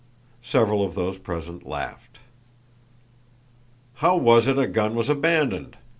Several of those present laughed. "How was it a gun was abandoned?"